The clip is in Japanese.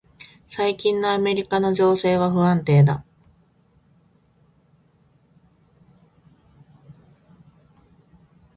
最近のアメリカの情勢は不安定だ。